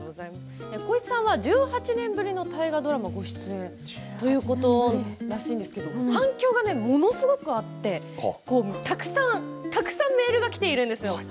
浩市さんは１８年ぶりの大河ドラマご出演ということで反響がものすごくあってたくさんメールがきているんですよ。